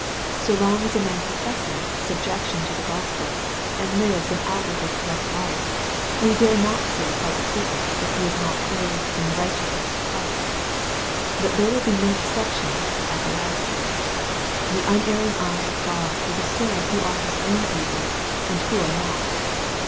So long as a man professes subjection to the Gospel, and lives an outwardly correct life, we dare not say positively that he is not clothed in the righteousness of Christ. But there will be no deception at the last day. The unerring eye of God will discern who are His own people, and who are not.